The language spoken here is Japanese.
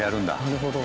なるほど。